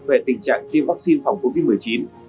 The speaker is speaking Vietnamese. về tình trạng tiêm vắc xin phòng covid một mươi chín